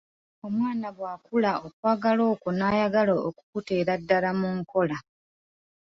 Omwana bw’akula okwagala okwo n’ayagala okukuteera ddala mu nkola.